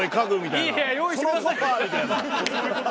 「いい部屋用意してください」みたいな。